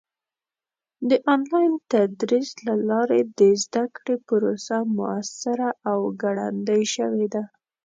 د آنلاین تدریس له لارې د زده کړې پروسه موثره او ګړندۍ شوې ده.